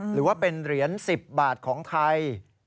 หรือว่าเป็นเหรียญ๑๐บาทของไทย